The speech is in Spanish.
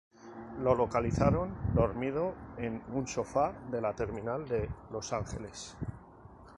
Lo localizaron dormido en un sofá de la terminal de Los Ángeles.